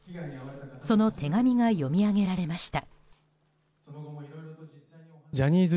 その手紙が読み上げられました。